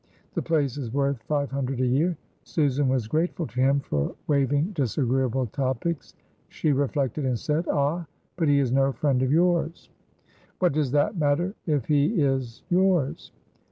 The place is worth five hundred a year." Susan was grateful to him for waiving disagreeable topics. She reflected and said: "Ah! but he is no friend of yours." "What does that matter if he is yours?"